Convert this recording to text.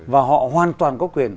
và họ hoàn toàn có quyền